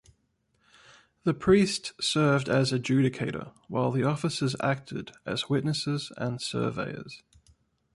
The priest served as adjudicator while the officers acted as witnesses and surveyors.